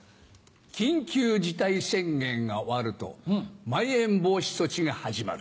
緊急事態宣言が終わるとまん延防止措置が始まる。